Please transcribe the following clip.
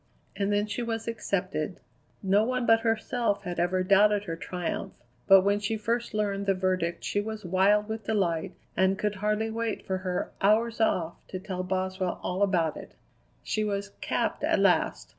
And then she was accepted. No one but herself had ever doubted her triumph, but when she first learned the verdict she was wild with delight and could hardly wait for her "hours off" to tell Boswell all about it. She was "capped" at last.